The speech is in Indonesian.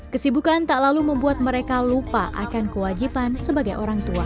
kesibukan tak lalu membuat mereka lupa akan kewajiban sebagai orang tua